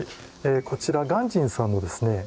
こちら鑑真さんのですね